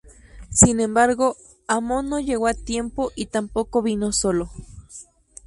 Sin embargo, Amon no llegó a tiempo, y tampoco vino solo.